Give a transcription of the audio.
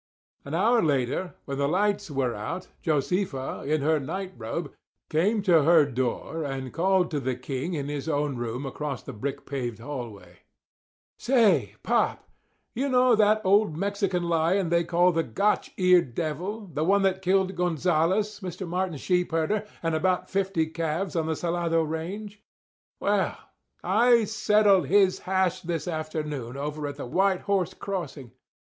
An hour later, when the lights were out, Josefa, in her night robe, came to her door and called to the king in his own room across the brick paved hallway: "Say, pop, you know that old Mexican lion they call the 'Gotch eared Devil'—the one that killed Gonzales, Mr. Martin's sheep herder, and about fifty calves on the Salado range? Well, I settled his hash this afternoon over at the White Horse Crossing.